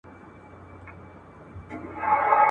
چي ته څوک یې ته پر کوم لوري روان یې.